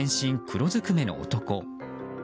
黒づくめの男。